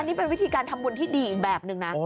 นี่เป็นวิธีการทำบุญที่ดีอีกแบบหนึ่งนะ